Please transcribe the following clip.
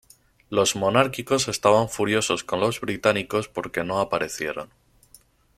Los monárquicos estaban furiosos con los británicos porque no aparecieron.